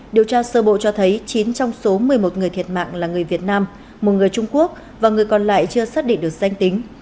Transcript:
điều tra sơ bộ cho thấy chín trong số một mươi một người thiệt mạng là người việt nam một người trung quốc và người còn lại chưa xác định được danh tính